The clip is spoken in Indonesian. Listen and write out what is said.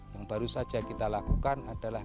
yang baru saja kita lakukan adalah